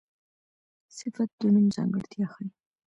صفت د نوم ځانګړتیا ښيي.